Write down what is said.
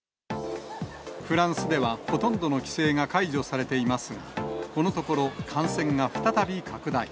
フランスではほとんどの規制が解除されていますが、このところ、感染が再び拡大。